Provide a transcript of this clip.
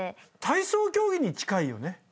体操競技に近いよね。